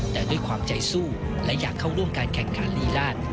แต่ด้วยความใจสู้และอยากเข้าร่วมการแข่งขันลีลาด